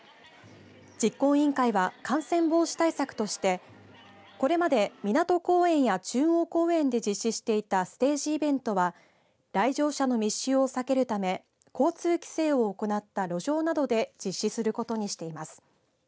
実行委員会は感染防止対策としてこれまで湊公園や中央公園で実施していたステージイベントは来場者の密集を避けるため交通規制を行った路上などで実施することにしています。